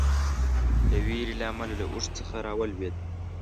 د وېرې له امله له اوښ څخه راولېده.